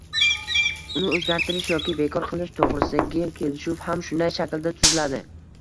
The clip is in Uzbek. uni o‘zgartirish yoki bekor qilish to‘g‘risidagi kelishuv ham shunday shaklda tuziladi